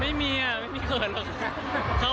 ไม่มีให้เขินน้ำ